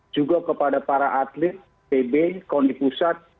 juga kepada para atlet pb koni pusat